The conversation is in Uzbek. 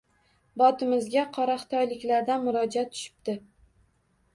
Botimizga qoraxitoyliklardan murojaat tushibdi.